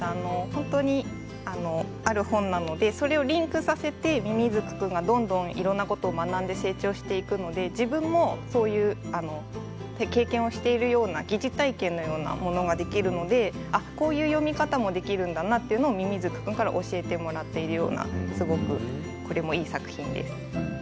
本当にある本なのでそれをリンクさせて、ミミズクくんがどんどんいろいろなことを学んで成長していくので自分もそういう経験をしているような疑似体験のようなものができるのでこういう読み方もできるんだなというのをミミズクくんから教えてもらっているようなすごくこれもいい作品です。